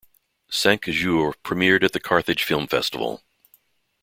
"Cinq Jours" premiered at the Carthage Film Festival.